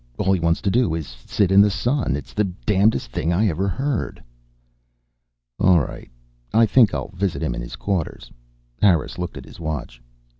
All he wants to do is sit in the sun. It's the damnedest thing I ever heard." "All right. I think I'll visit him in his quarters." Harris looked at his watch.